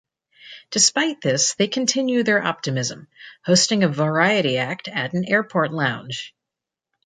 Despite this they continue their optimism, hosting a variety act at an airport lounge.